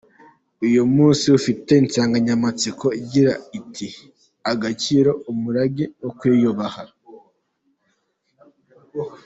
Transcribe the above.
Uyu munsi ufite insanganyamatsiko igira iti “Agaciro: Umurange wo kwiyubaha’.